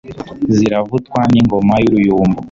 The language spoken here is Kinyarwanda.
Ziravutwa n' ingoma y' uruyumbu